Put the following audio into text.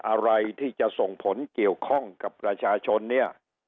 อะไรที่จะส่งผลเกี่ยวข้องกับประชาชนเนี่ย